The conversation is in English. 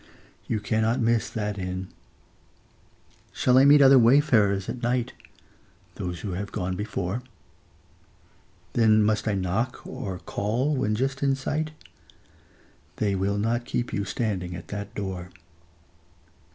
You cannot miss that inn. Shall I meet other wayfarers at night? Those who have gone before. Then must I knock, or call when just in sight? They will not keep you standing at that door.